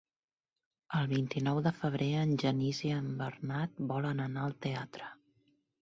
El vint-i-nou de febrer en Genís i en Bernat volen anar al teatre.